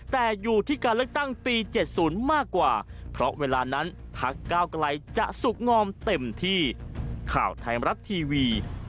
แต่อยู่ที่การเลือกตั้งปี๗๐มากกว่าเพราะเวลานั้นพักก้าวไกลจะสุขงอมเต็มที่